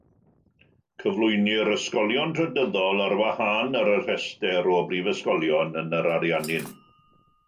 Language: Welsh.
Cyflwynir ysgolion trydyddol ar wahân ar y rhestr o brifysgolion yn yr Ariannin.